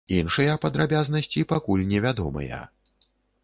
Іншыя падрабязнасці пакуль не вядомыя.